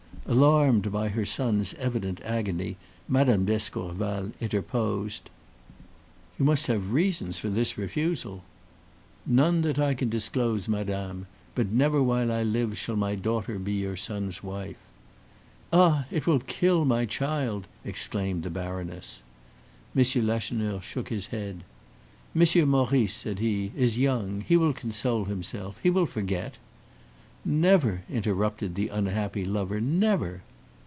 Alarmed by her son's evident agony, Mme. d'Escorval interposed: "You must have reasons for this refusal." "None that I can disclose, Madame. But never while I live shall my daughter be your son's wife!" "Ah! it will kill my child!" exclaimed the baroness. M. Lacheneur shook his head. "Monsieur Maurice," said he, "is young; he will console himself he will forget." "Never!" interrupted the unhappy lover "never!"